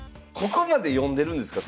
ここまで読んでるんですか？